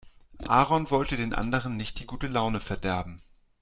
Aaron wollte den anderen nicht die gute Laune verderben.